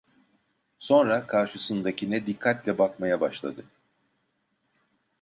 Sonra karşısındakine dikkatle bakmaya başladı.